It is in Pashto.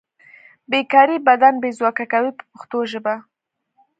بې کاري بدن بې ځواکه کوي په پښتو ژبه.